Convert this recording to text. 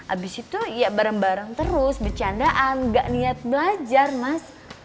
abis itu ya bareng bareng terus bercandaan gak niat belajar mas